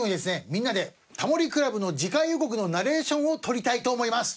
みんなで『タモリ倶楽部』の次回予告のナレーションを録りたいと思います。